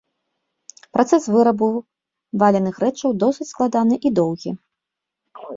Працэс вырабу валяных рэчаў досыць складаны і доўгі.